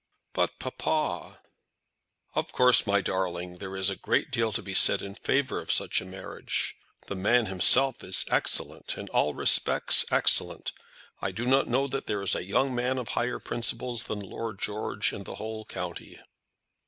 "But, papa " "Of course, my darling, there is a great deal to be said in favour of such a marriage. The man himself is excellent, in all respects excellent. I do not know that there is a young man of higher principles than Lord George in the whole county."